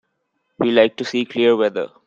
We like to see clear weather.